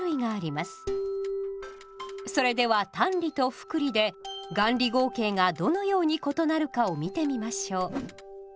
それでは単利と複利で元利合計がどのように異なるかを見てみましょう。